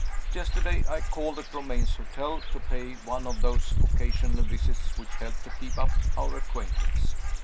Yesterday, I called at Romayne's hotel to pay one of those occasional visits which help to keep up our acquaintance.